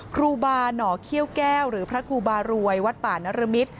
ครูบาหน่อเขี้ยวแก้วหรือพระครูบารวยวัดป่านรมิตร